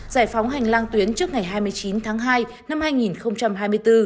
giải phóng hành lang tuyến trước ngày hai mươi chín tháng hai năm hai nghìn hai mươi bốn